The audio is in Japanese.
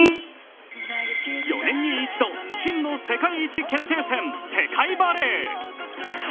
４年に一度、真の世界一決定戦・世界バレー。